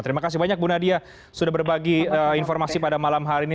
terima kasih banyak bu nadia sudah berbagi informasi pada malam hari ini